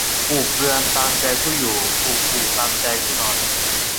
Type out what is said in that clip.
ปลูกเรือนตามใจผู้อยู่ ผูกอู่ตามใจผู้นอน